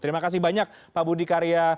terima kasih banyak pak budi karya